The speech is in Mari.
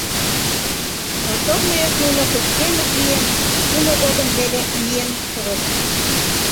Заторныйыш нуно пычкемыш лийын шумо годым миен пурышт.